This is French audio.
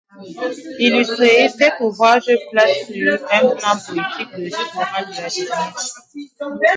Illustré, cet ouvrage place sur un plan poétique le jeu oral de la devinette.